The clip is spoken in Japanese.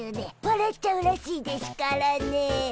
わらっちゃうらしいでしゅからね。